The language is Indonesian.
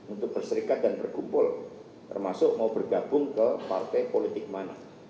untuk berserikat dan berkumpul termasuk mau bergabung ke partai politik mana